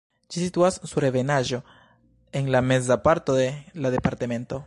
Ĝi situas sur ebenaĵo en la meza parto de la departemento.